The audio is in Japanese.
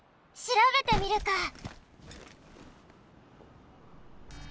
しらべてみるか！